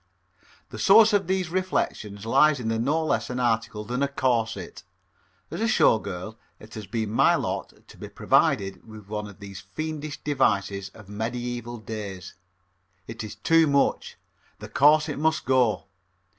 The source of these reflections lies in no less an article than a corset. As a Show Girl, it has been my lot to be provided with one of these fiendish devices of medieval days. It is too much. The corset must go.